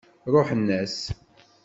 Ṛuḥen-as.